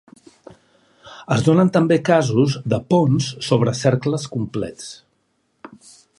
Es donen també casos de ponts sobre cercles complets.